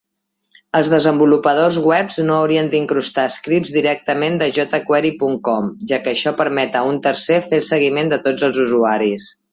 Els desenvolupadors web no haurien d'incrustar scripts directament de jQuery.com, ja que això permet a un tercer fer el seguiment de tots els usuaris.